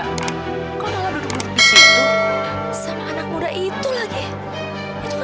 kau dalam duduk duduk di situ sama anak muda itu lagi